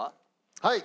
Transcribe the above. はい。